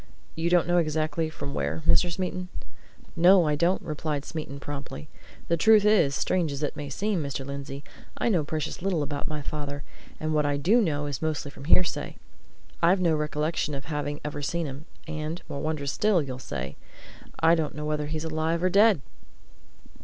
You don't know exactly from where, Mr. Smeaton?" "No, I don't," replied Smeaton, promptly. "The truth is, strange as it may seem, Mr. Lindsey, I know precious little about my father, and what I do know is mostly from hearsay. I've no recollection of having ever seen him. And more wondrous still, you'll say I don't know whether he's alive or dead!"